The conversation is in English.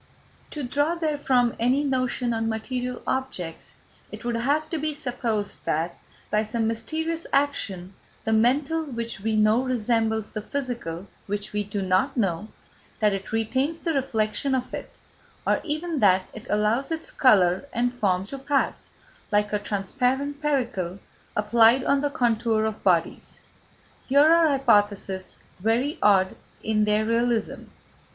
To draw therefrom any notion on material objects, it would have to be supposed that, by some mysterious action, the mental which we know resembles the physical which we do not know, that it retains the reflection of it, or even that it allows its colour and form to pass, like a transparent pellicle applied on the contour of bodies. Here are hypotheses very odd in their realism.